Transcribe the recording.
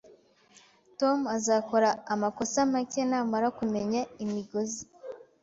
Tom azakora amakosa make namara kumenya imigozi.